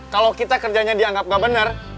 kalau kita kerjanya dianggap gak bener